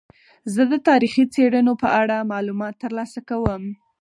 زه د تاریخي څیړنو په اړه معلومات ترلاسه کوم.